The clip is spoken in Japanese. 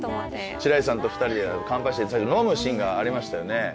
白石さんと２人で乾杯して飲むシーンがありましたよね。